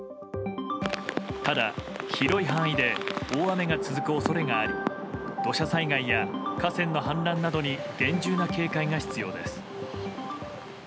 ただ、広い範囲で大雨が続く恐れがあり土砂災害や河川の氾濫などに厳重な警戒が必要です。